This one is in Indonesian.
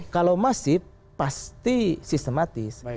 kalau masif pasti sistematis